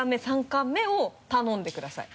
３貫目を頼んでください。